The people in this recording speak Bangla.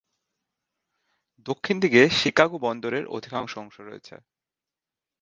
দক্ষিণ দিকে শিকাগো বন্দরের অধিকাংশ অংশ রয়েছে।